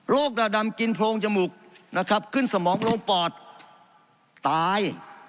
โรคราดำกลิ่นโพรงจมูกนะครับขึ้นสมองโรคปอดตาย